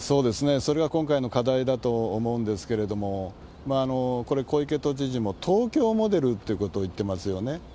それが今回の課題だと思うんですけれども、これ、小池都知事も、東京モデルっていうことを言ってますよね。